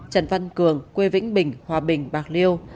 trần văn cường quê vĩnh bình hòa bình bạc liêu